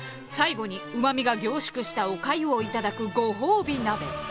最後にうまみが凝縮したお粥を頂くご褒美鍋。